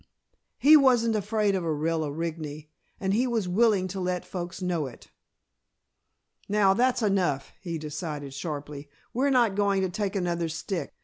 He wasn't afraid of Orilla Rigney, and he was willing to let folks know it. "Now, that's enough," he decided sharply. "We're not going to take another stick.